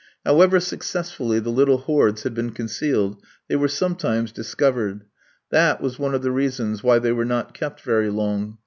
However successfully the little hoards had been concealed, they were sometimes discovered. That was one of the reasons why they were not kept very long.